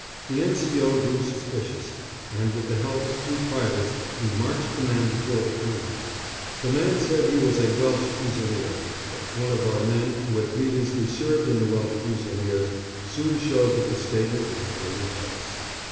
The N.C.O. grew suspicious, and with the help of two privates he marched the man before the colonel. The man said he was a Welsh Fusilier, but one of our men who had previously served in the Welsh Fusiliers soon showed that the statement was utterly false.